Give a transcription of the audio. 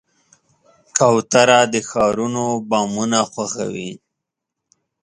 کوتره د ښارونو بامونه خوښوي.